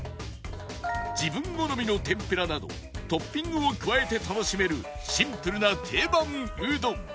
自分好みの天ぷらなどトッピングを加えて楽しめるシンプルな定番フード